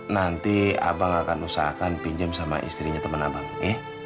nanti abang akan usahakan pinjam sama istrinya teman abang eh